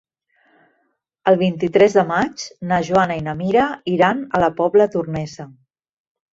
El vint-i-tres de maig na Joana i na Mira iran a la Pobla Tornesa.